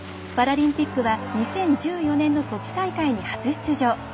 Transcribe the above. パラリンピックは２０１４年のソチ大会に初出場。